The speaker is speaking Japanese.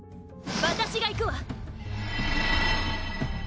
私が行くわ！